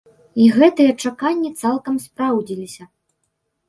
І гэтыя чаканні цалкам спраўдзіліся.